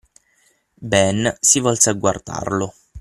Ben si volse a guardarlo.